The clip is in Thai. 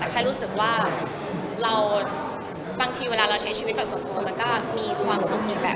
แต่ค่อยรู้สึกว่าบางทีเวลาเราใช้ชีวิตฝัสส่วนตัวมันก็มีความสุขอีกแปลก